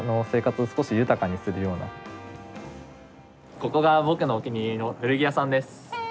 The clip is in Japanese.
ここが僕のお気に入りの古着屋さんです。